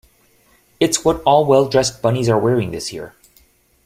It's what all well-dressed bunnies are wearing this year.